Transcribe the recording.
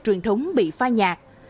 truyền thống bị pha nhạt